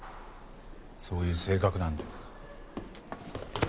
そういう性格なんで。